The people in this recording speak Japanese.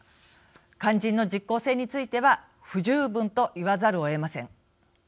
肝心の実効性については不十分と言わざるをえません。